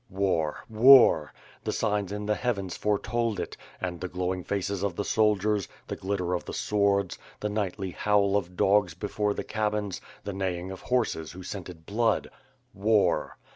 War! War! The signs in the heavens foretold it, and the glowing faces of the soldiery, the glitter of the sw©rds, the nightly howl of dogs before the cabins, the neighing of horses, who scented blood, "War."